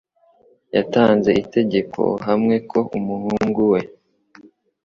yatanze itegeko – hame ko Umuhungu we